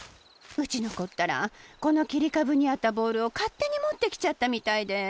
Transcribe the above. うちのこったらこのきりかぶにあったボールをかってにもってきちゃったみたいで。